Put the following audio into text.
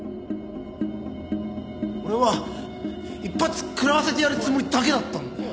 俺は一発食らわせてやるつもりだけだったんだよ。